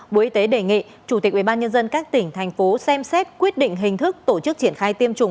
bộ y tế đề nghị chủ tịch ubnd các tỉnh thành phố xem xét quyết định hình thức tổ chức triển khai tiêm chủng